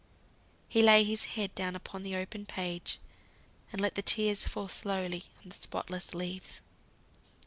He laid his head down on the open page, and let the tears fall slowly on the spotless leaves.